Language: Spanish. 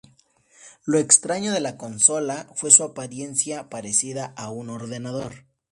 Lo extraño de la consola fue su apariencia parecida a un ordenador.